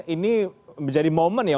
ini menjadi momen ya